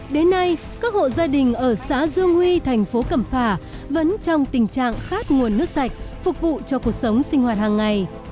đến nay các hộ gia đình ở xã dương huy thành phố cẩm phả vẫn trong tình trạng khát nguồn nước sạch phục vụ cho cuộc sống sinh hoạt hàng ngày